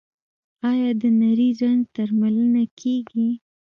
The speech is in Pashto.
آیا د نري رنځ درملنه کیږي؟